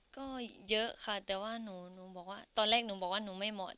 ก็เยอะค่ะแต่ว่าหนูบอกว่าตอนแรกหนูบอกว่าหนูไม่เหมาะ